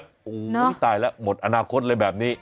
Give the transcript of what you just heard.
โอ้โหตายแล้วหมดอนาคตเลยแบบนี้